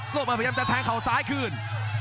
โรเบิร์ตพยายามจะแทงเขาซ้ายคืน